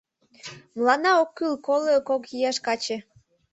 Мыланна ок кӱл коло кок ияш каче